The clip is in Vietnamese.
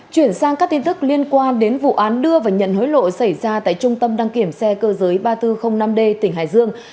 chuyển sang các tin tức liên quan đến vụ án đưa và nhận hối lộ xảy ra tại trung tâm đăng kiểm xe cơ giới ba nghìn bốn trăm linh năm d tỉnh hải dương